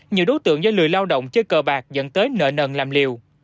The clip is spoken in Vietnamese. nhiều đối tượng do lười lao động chơi cờ bạc dẫn tới nợ nần làm liều